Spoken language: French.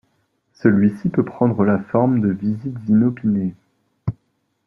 Celui-ci peut prendre la forme de visites inopinées.